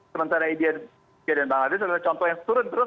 sementara india dan bangladesh adalah contoh yang turun terus